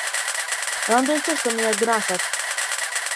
Надежта што ни ја гнасат.